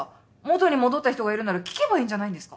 元に戻った人がいるなら聞けばいいんじゃないんですか？